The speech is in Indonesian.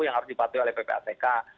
yang harus dipatuhi oleh ppatk